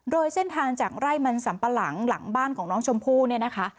โดยเส้นทางจากไร่มันสัมปะหลังหลังบ้านของน้องชมพู่เนี่ยนะคะ